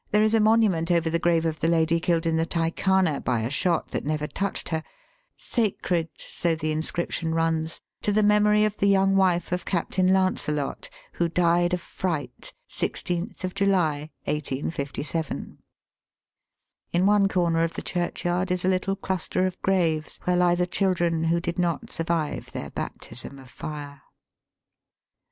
There is a monument over the grave of the lady killed in the Tykhana by a shot that never touched her. ^' Sacred," so the inscription runs, '^ to the memory of the young wife of Captain Lancelot, who died of fright, 16th July, 1857." In one corner Digitized by VjOOQIC THE BESIDENCY AT LUCKNOW. 249 of the churchyard is a little cluster of graves where lie the children who did not survive their baptism of fire.